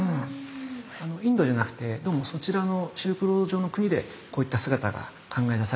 インドじゃなくてどうもそちらのシルクロード上の国でこういった姿が考え出されたようなんです。